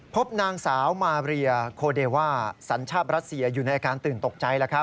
พบนางสาวมาเรียโคเดว่าสัญชาติรัสเซียอยู่ในอาการตื่นตกใจ